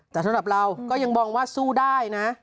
แต่สำหรับเราก็ยังมองว่าสู้ได้นะ